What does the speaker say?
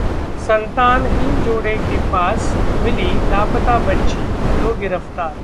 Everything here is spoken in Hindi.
संतानहीन जोड़े के पास मिली लापता बच्ची, दो गिरफ्तार